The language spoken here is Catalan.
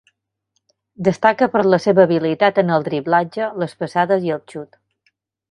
Destaca per la seva habilitat en el driblatge, les passades i el xut.